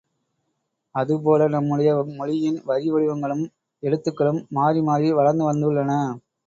அதுபோல நம்முடைய மொழியின் வரிவடிவங்களும் எழுத்துகளும் மாறி மாறி வளர்ந்து வந்துள்ளன.